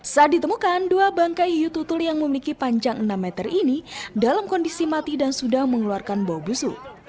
saat ditemukan dua bangkai hiu tutul yang memiliki panjang enam meter ini dalam kondisi mati dan sudah mengeluarkan bau busu